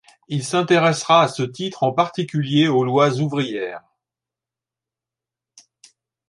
Il s'intéressera à ce titre en particulier aux lois ouvrières.